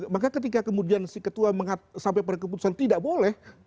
maka ketika kemudian si ketua sampai pada keputusan tidak boleh